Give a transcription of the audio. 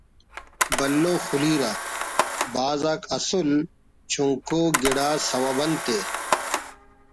بھلو خلیرہ بھاز آک اسل چنکو گڑا سوب انتءِ